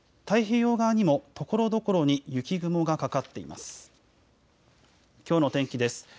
太平洋側にも、ところどころに雪雲がかかっています。